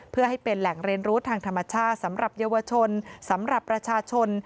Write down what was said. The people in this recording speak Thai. เพื่อให้เป็นแหล่งเรียนรู้ทางธรรมชาติสำหรับเยาวชนสำหรับประชาชน